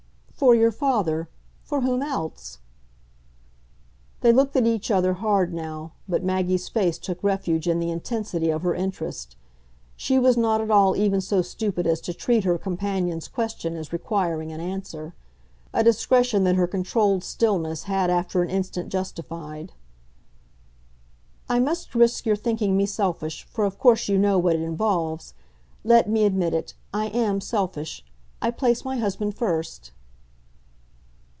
"For your father. For whom else?" They looked at each other hard now, but Maggie's face took refuge in the intensity of her interest. She was not at all even so stupid as to treat her companion's question as requiring an answer; a discretion that her controlled stillness had after an instant justified. "I must risk your thinking me selfish for of course you know what it involves. Let me admit it I AM selfish. I place my husband first."